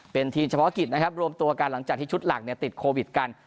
เป็นทีมเฉพาะกิจนะครับรวมตัวกันหลังจากที่ชุดหลักเนี่ยติดโควิดกัน